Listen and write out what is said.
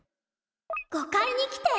５階に来て。